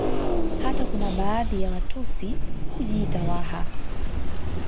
Hata kuna baadhi ya Watusi hujiita Waha